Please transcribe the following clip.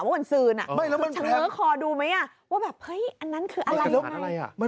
ว่าเหมือนซื้อน่ะมันคือเฉินเนื้อคอดูมั้ยว่าแบบเฮ้ยอันนั้นคืออะไร